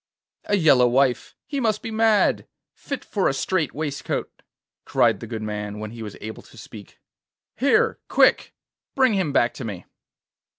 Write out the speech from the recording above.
'A yellow wife! He must be mad! fit for a strait waistcoat!' cried the good man, when he was able to speak. 'Here! quick! bring him back to me.